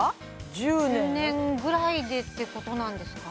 １０年ぐらいでってことなんですか？